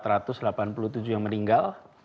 ada empat ratus delapan puluh tujuh yang meninggal